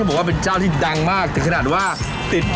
พี่บอกว่าจะพาหนูไปกินอะไรนะ